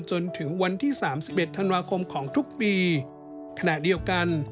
จนถึงวันที่สามสิบเอ็ดธันวาคมของทุกปีขณะเดียวกัน